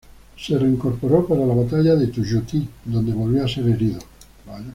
Se reincorporó para la batalla de Tuyutí, donde volvió a ser herido.